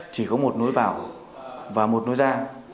chỉ có một nối vào và một nối ra